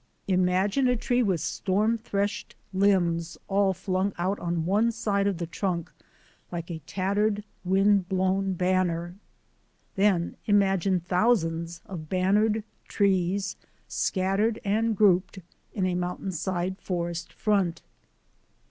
Imagine a tree with storm threshed limbs all flung out on one side of the trunk, like a tattered, wind blown banner ! Then imagine thou sands of bannered trees scattered and grouped, in a mountainside forest front